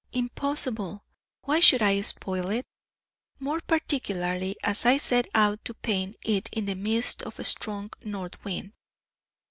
Impossible! Why should I spoil it? more particularly as I set out to paint it in the midst of a strong north wind.